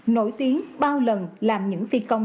nổi tiếng bao lần làm những phi công